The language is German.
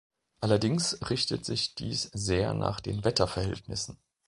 Allerdings richtet sich dies sehr nach den Wetterverhältnissen.